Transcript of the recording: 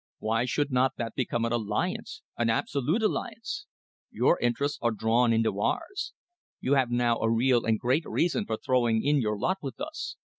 Why should not that become an alliance an absolute alliance? Your interests are drawn into ours. You have now a real and great reason for throwing in your lot with us.